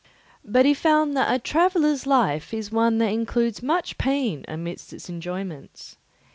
But he found that a traveller's life is one that includes much pain amidst its enjoyments.